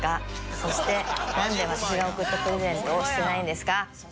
そしてなんで私が贈ったプレゼントをしてないんですか？